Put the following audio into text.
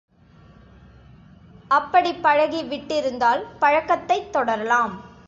அப்படிப் பழகிவிட்டிருந்தால், பழக்கத்தைத் தொடரலாம்.